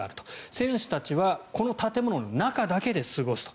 選手たちはこの建物の中だけで過ごすと。